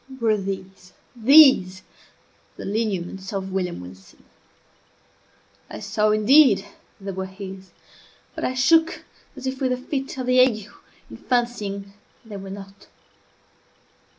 Were these, these the lineaments of William Wilson? I saw, indeed, that they were his, but I shook as if with a fit of the ague, in fancying they were not.